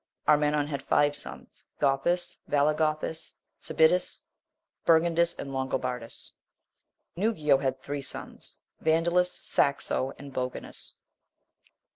Armenon had five sons, Gothus, Valagothus, Cibidus, Burgundus, and Longobardus. Neugio had three sons, Vandalus, Saxo, and Boganus.